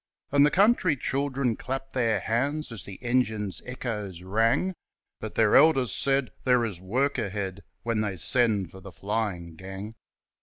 And the country children clapped their hands As the engine's echoes rang, But their elders said: 'There is work ahead When they send for the flying gang.'